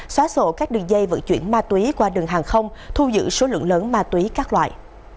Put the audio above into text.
xóa sổ các đường dây vận chuyển ma túy qua đường hàng không thu giữ số lượng lớn ma túy các loại